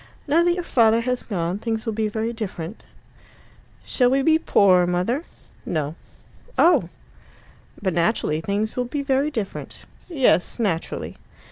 "Now that your father has gone, things will be very different." "Shall we be poorer, mother?" No. "Oh!" "But naturally things will be very different." "Yes, naturally."